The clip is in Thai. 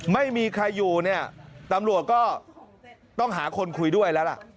ไม่มีใครอยู่เนี่ยตำรวจก็ต้องหาคนคุยด้วยแล้วล่ะ